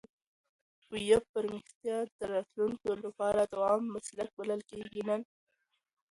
ویب پرمختیا د راتلونکي لپاره دوامدار مسلک بلل کېږي نن.